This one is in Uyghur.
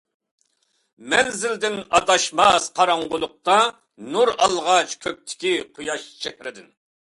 مەنزىلدىن ئاداشماس قاراڭغۇلۇقتا، نۇر ئالغاچ كۆكتىكى قۇياش چېھرىدىن.